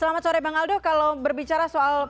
selamat sore bang aldo kalau berbicara soal